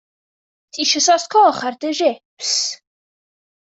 Tisio sôs coch ar dy jips?